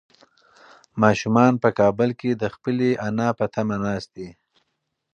ماشومان په کابل کې د خپلې نیا په تمه ناست دي.